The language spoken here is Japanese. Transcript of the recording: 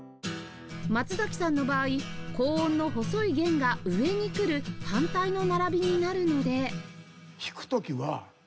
松崎さんの場合高音の細い弦が上に来る反対の並びになるので